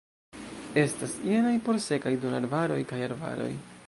Estas jenaj por sekaj duonarbaroj kaj arbaroj.